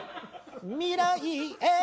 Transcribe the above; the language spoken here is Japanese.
未来へ！